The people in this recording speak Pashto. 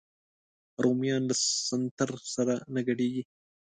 رومیان له سنتر سره نه ګډېږي